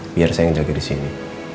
biar saya yang jaga disini